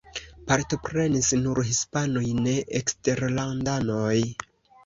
Partoprenis nur hispanoj, ne eksterlandanoj.